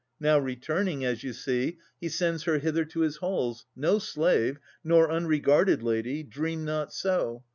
Now returning, as you see, He sends her hither to his halls, no slave, Nor unregarded, lady, dream not so!